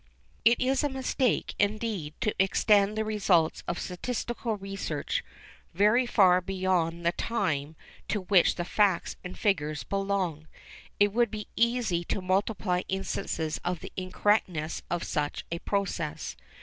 It is a mistake, indeed, to extend the results of statistical research very far beyond the time to which the facts and figures belong. It would be easy to multiply instances of the incorrectness of such a process.